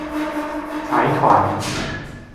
財團